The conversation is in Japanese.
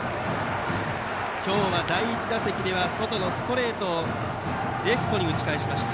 今日は第１打席は外のストレートをレフトに打ち返しました。